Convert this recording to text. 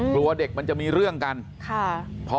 กลัวเด็กมันจะมีเรื่องกันค่ะ